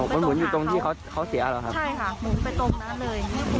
มันหมุนอยู่ตรงที่เขาเสียเหรอครับใช่ค่ะหมุนไปตรงนั้นเลย